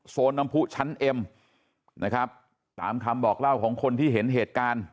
น้ำผู้ชั้นเอ็มนะครับตามคำบอกเล่าของคนที่เห็นเหตุการณ์